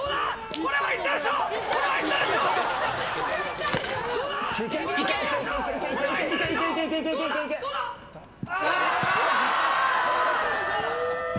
これはいったでしょう！